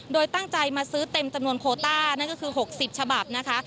โดยตั้งใจมาซื้อเต็มจำนวนโคต้านั่นก็คือ๖๐ฉบับนะคะ